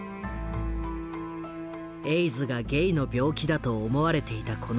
エイズがゲイの病気だと思われていたこの時代。